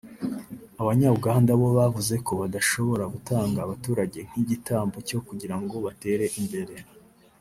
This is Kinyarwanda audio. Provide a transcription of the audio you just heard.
Abanya Uganda bo bavuze ko badashobora gutanga abaturage nk’igitambo cyo kugira ngo batere imbere